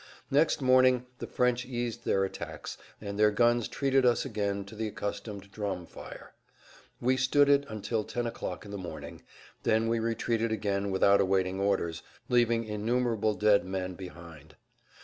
Next morning the French eased their attacks, and their guns treated us again to the accustomed drum fire. We stood it until 10 o'clock in the morning; then we retreated again without awaiting orders, leaving innumerable dead men behind.